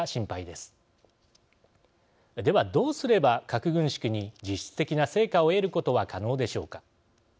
では、どうすれば核軍縮に実質的な成果を得ることは可能でしょうか。